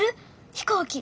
飛行機。